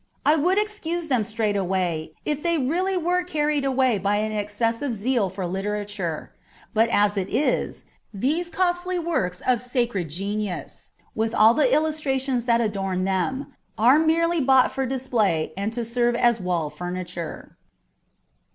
I would excuse them straightway if they really were carried away by an excessive zeal for literature ; but as it is, these costly works of sacred genius, with all the illustrations that adorn them, are merely bought for display and to serve as wall furniture.